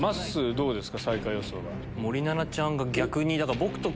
どうですか？